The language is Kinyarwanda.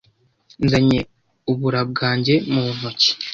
Nzanye ubura bwanjye muntoki